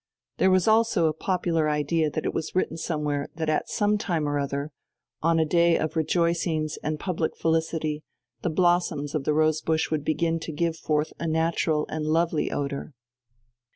There was also a popular idea that it was written somewhere that at some time or other, on a day of rejoicings and public felicity, the blossoms of the rose bush would begin to give forth a natural and lovely odour.